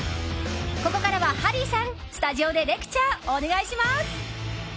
ここからはハリーさんスタジオでレクチャーお願いします！